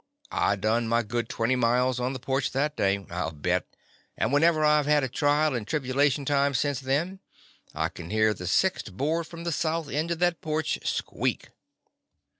I done my good twenty miles on the porch that day, I '11 bet, and whenever I 've had a trial and tribulation time since then, I can hear the sixth board from the south end of that porch squeak.